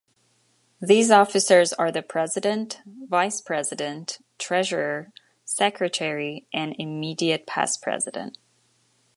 These officers are the President, Vice President, Treasurer, Secretary, and Immediate Past President.